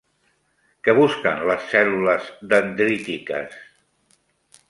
Què busquen les cèl·lules dendrítiques?